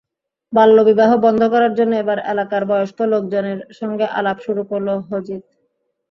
বাল্যবিবাহ বন্ধ করার জন্য এবার এলাকার বয়স্ক লোকজনের সঙ্গে আলাপ শুরু করল হজিত।